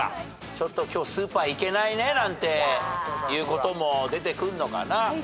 ちょっと今日スーパー行けないねなんていうことも出てくんのかな？